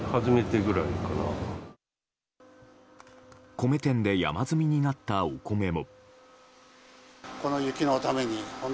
米店で山積みになったお米も。